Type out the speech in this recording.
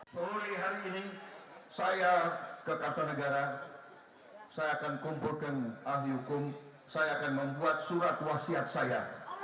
peroleh hari ini saya ke kata negara saya akan kumpulkan ahli hukum saya akan membuat surat wasiat saya